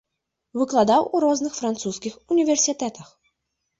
Выкладаў у розных французскіх універсітэтах.